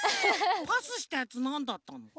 パスしたやつなんだったの？